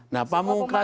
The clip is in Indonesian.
nah pak mungkas